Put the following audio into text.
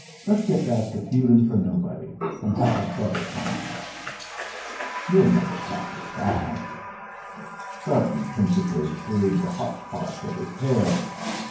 Let's get back to feeling for nobody, and have a better time." "You'll never practise that." Garton pensively stirred the hotch potch of his hair.